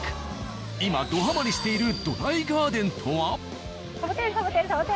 今、ドハマりしているドライガーデンとは？